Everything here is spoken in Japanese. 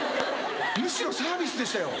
むしろサービスでしたよ。